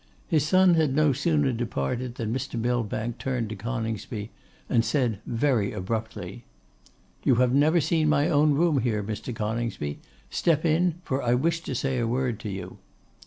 His son had no sooner departed than Mr. Millbank turned to Coningsby, and said very abruptly, 'You have never seen my own room here, Mr. Coningsby; step in, for I wish to say a word to you.